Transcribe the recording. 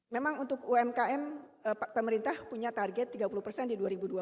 memang untuk umkm pemerintah punya target tiga puluh persen di dua ribu dua puluh